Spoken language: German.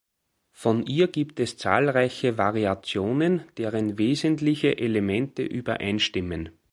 Von ihr gibt es zahlreiche Variationen, deren wesentliche Elemente übereinstimmen.